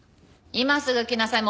今すぐ来なさい。